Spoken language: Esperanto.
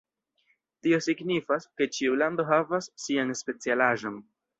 Tio signifas, ke ĉiu lando havas sian specialaĵon.